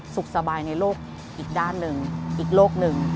สุขสบายในโลกอีกด้านหนึ่งอีกโลกหนึ่ง